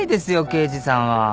刑事さんは。